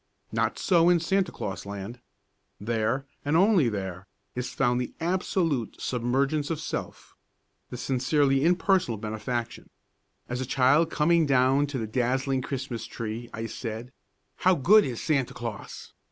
Not so in Santa Claus land. There, and there only, is found the absolute submergence of self, the sincerely impersonal benefaction. As a child, coming down to the dazzling Christmas tree, I said: "How good is Santa Claus!"